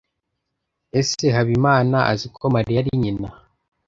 Ese Habimanaasi azi ko Mariya ari nyina?